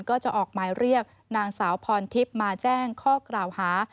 ก็จะออกหมายเรียกนางสาวพรทิพย์มาแจ้งข้อกล่าวหา